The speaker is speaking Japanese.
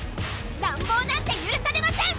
乱暴なんてゆるされません！